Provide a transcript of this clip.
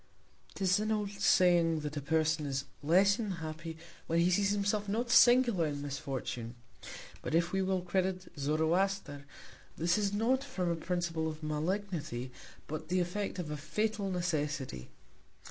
'Tis an old saying, that a Person is less unhappy when he sees himself not singular in Misfortune. But if we will credit Zoroaster, this is not from a Principle of Malignity, but the Effect of a fatal Necessity.